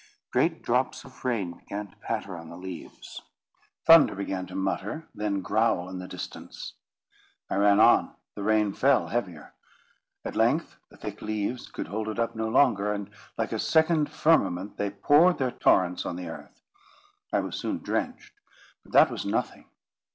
Great drops of rain began to patter on the leaves. Thunder began to mutter, then growl in the distance. I ran on. The rain fell heavier. At length the thick leaves could hold it up no longer; and, like a second firmament, they poured their torrents on the earth. I was soon drenched, but that was nothing.